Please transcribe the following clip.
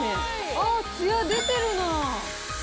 ああ、つや出てるなぁ。